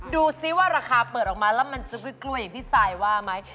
ดูสิว่าราคาเปิดออกมาแล้วมันจะไม่กลัวอย่างที่ซายว่าไหม